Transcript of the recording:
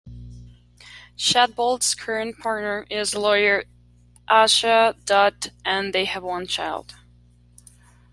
Shadbolt's current partner is lawyer Asha Dutt and they have one child.